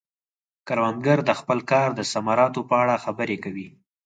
کروندګر د خپل کار د ثمراتو په اړه خبرې کوي